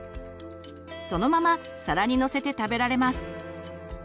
そのまま皿にのせて食べられます。